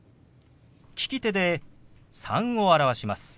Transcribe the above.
利き手で「３」を表します。